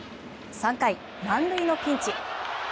３回、満塁のピンチ。